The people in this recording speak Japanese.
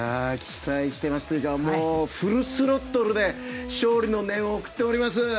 期待してますというかフルスロットルで勝利の念を送っております。